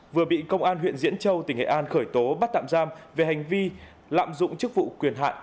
vừa bị công an huyện diễn châu tỉnh nghệ an khởi tố bắt tạm giam về hành vi lạm dụng chức vụ quyền hạn